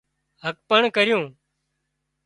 هٻڪڻ ڪرِيون